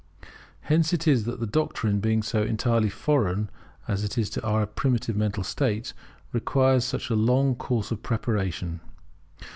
Hence it is that the doctrine, being so entirely foreign as it is to our primitive mental state, requires such a long course of preparation.